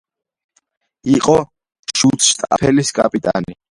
იყო შუცშტაფელის კაპიტანი.